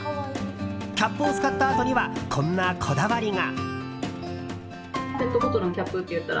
キャップを使ったアートにはこんなこだわりが。